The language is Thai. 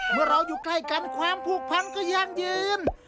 เมื่อเราอยู่ใกล้กันความผูกพันก็ยั่งยืน